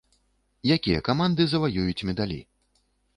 Якія каманды заваююць медалі?